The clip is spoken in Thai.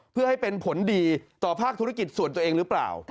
เพื่อให้เป็นผลดีต่อภาคธุรกิจส่วนตัวเองหรือเปล่า